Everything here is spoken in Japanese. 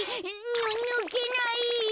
ぬぬけない。